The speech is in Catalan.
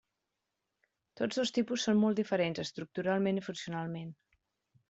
Tots dos tipus són molt diferents estructuralment i funcionalment.